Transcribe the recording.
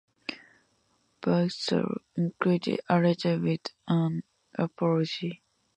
Bergsala included a letter with an apology.